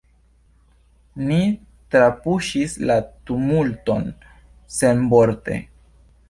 Ni trapuŝis la tumulton senvorte.